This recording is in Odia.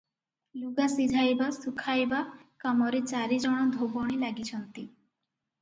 ଲୁଗା ସିଝାଇବା ଶୁଖାଇବା କାମରେ ଚାରି ଜଣ ଧୋବଣୀ ଲାଗିଛନ୍ତି ।